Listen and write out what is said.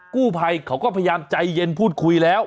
กู้ภัยเขาก็พยายามใจเย็นพูดคุยแล้ว